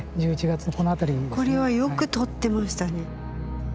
これはよくとってましたね。